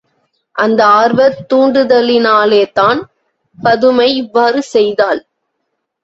அந்த ஆர்வத் தூண்டுதலினாலேதான் பதுமை இவ்வாறு செய்தாள்.